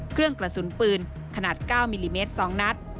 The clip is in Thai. เครื่องกระสุนปืนขนาด๙มิลลิเมตร๒นัด